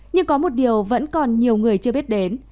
nhưng có một điều vẫn còn nhiều người chưa biết đến